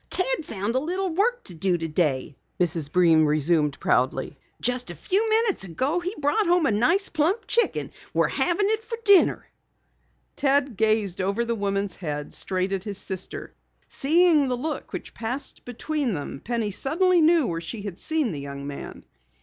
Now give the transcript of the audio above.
"Ted found a little work to do today," Mrs. Breen resumed proudly. "Just a few minutes ago he brought home a nice plump chicken. We're having it for dinner!" Ted gazed over the woman's head, straight at his sister. Seeing the look which passed between them, Penny suddenly knew where she had seen the young man. Mrs.